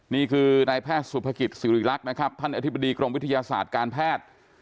นี่คือนายแพทย์สุภกิจสิริรักษ์นะครับท่านอธิบดีกรมวิทยาศาสตร์การแพทย์